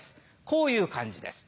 こういう感じです。